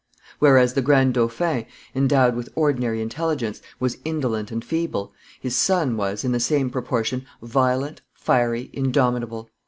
Whereas the grand dauphin, endowed with ordinary intelligence, was indolent and feeble, his son was, in the same proportion, violent, fiery, indomitable.